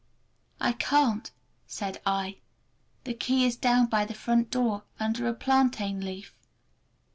"I can't," said I. "The key is down by the front door under a plantain leaf!"